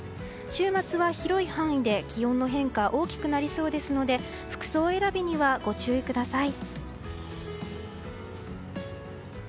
週末は広い範囲で気温の変化大きくなりそうなので服装選びにはご注意ください。